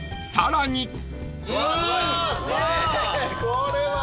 これは。